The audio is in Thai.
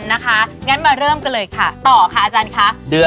นะคะงั้นมาเริ่มกันเลยค่ะต่อค่ะอาจารย์ค่ะเดือน